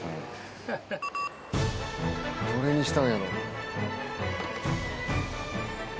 どれにしたんやろ？